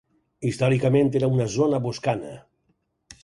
Històricament era una zona boscana.